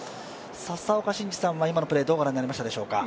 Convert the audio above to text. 佐々岡真司さんは今のプレーどうご覧になりましたでしょうか？